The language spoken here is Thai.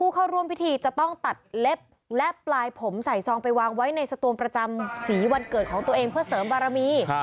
เข้าร่วมพิธีจะต้องตัดเล็บและปลายผมใส่ซองไปวางไว้ในสตูมประจำสีวันเกิดของตัวเองเพื่อเสริมบารมี